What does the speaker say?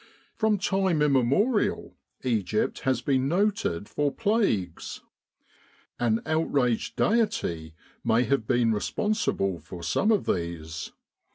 From time immemorial Egypt has been noted for plagues. An outraged Deity may have been responsible for some of these.